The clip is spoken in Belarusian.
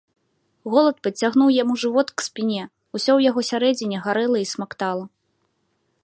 Голад падцягнуў яму жывот к спіне, усё ў яго сярэдзіне гарэла і смактала.